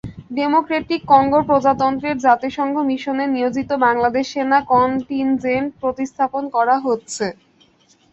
Democratic Congo প্রজাতন্ত্রে জাতিসংঘ মিশনে নিয়োজিত বাংলাদেশ সেনা কন্টিনজেন্ট প্রতিস্থাপন করা হচ্ছে।